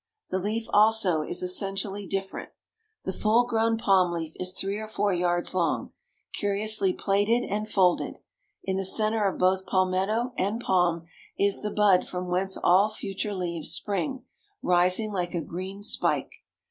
The leaf, also, is essentially different. The full grown palm leaf is three or four yards long, curiously plaited and folded. In the centre of both palmetto and palm is the bud from whence all future leaves spring, rising like a green spike.